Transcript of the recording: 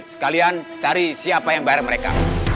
sekalian cari siapa yang bayar mereka